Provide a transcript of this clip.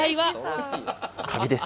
カビです。